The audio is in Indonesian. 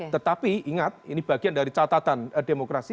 tetapi ingat ini bagian dari catatan demokrasi